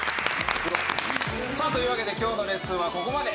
さあというわけで今日のレッスンはここまで。